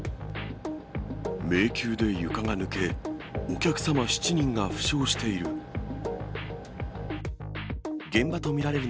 迷宮で床が抜け、お客様７人が負傷している。